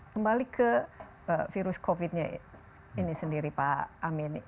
kembali ke virus covid nya ini sendiri pak amin